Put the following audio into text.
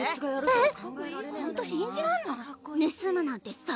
えっ！